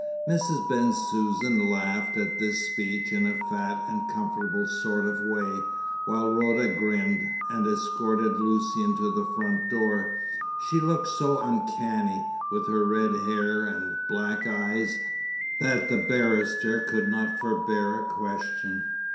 Mrs. Bensusan laughed at this speech in a fat and comfortable sort of way, while Rhoda grinned, and escorted Lucian to the front door. She looked so uncanny, with her red hair and black eyes, that the barrister could not forbear a question.